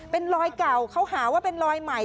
เป็นรอยเก่าเขาหาว่าเป็นรอยใหม่